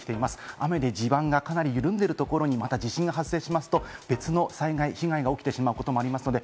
雨で地盤がかなり緩んでいるところに、また地震が発生しますと、別の災害、被害が起きてしまうこともあります。